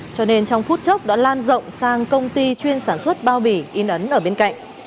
cho nên trong phút chốc đã lan rộng sang công ty chuyên sản xuất bao bì in ấn ở bên cạnh